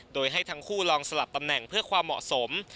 โดยให้ทั้งคู่ลองสลับตำแหน่งเพื่อความเหมาะสม